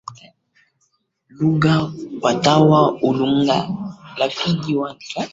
Lugha kuitwa; ulugha, lafidhi watia denge,